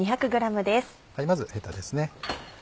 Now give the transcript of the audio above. まずヘタです。